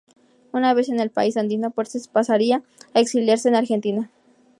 Una vez en el país andino, Prestes pasaría a exiliarse en Argentina.